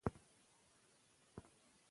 ښوونځي له مودې راهیسې اصلاحات پلي کړي دي.